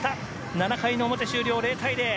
７回の表終了、０対０。